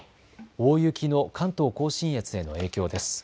大雪の関東甲信越への影響です。